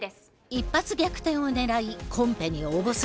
一発逆転を狙いコンペに応募する。